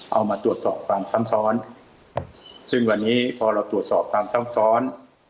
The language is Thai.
เอามาตรวจสอบความซ้ำซ้อนซึ่งวันนี้พอเราตรวจสอบความซ้ำซ้อน